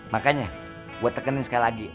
makanya gue tekenin sekali lagi